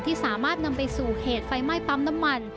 สามารถนำไปสู่เหตุไฟไหม้ปั๊มน้ำมัน